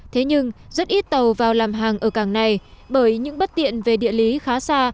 thế nhưng rất ít tàu vào làm hàng ở cảng này bởi những bất tiện về địa lý khá xa